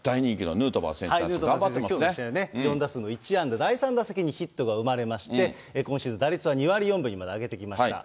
ヌートバー選手、きょうの試合、４打数の１安打、第３打席にヒットが生まれまして、今シーズン、打率は２割４分にまで上げてきました。